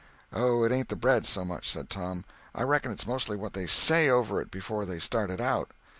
"Oh, it ain't the bread, so much," said Tom; "I reckon it's mostly what they say over it before they start it out."